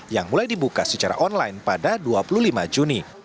yang mulai dibuka secara online pada dua puluh lima juni